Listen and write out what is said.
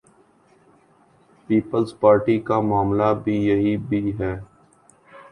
Peoples Party کا معاملہ بھی یہی بھی ہے۔